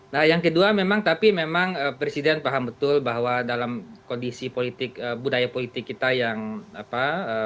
nah yang kedua memang tapi memang presiden paham betul bahwa dalam kondisi politik budaya politik kita yang apa